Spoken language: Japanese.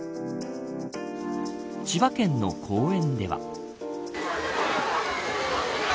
千葉県の公園では。